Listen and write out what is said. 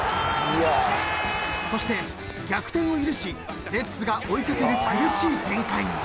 ［そして逆転を許しレッズが追い掛ける苦しい展開に］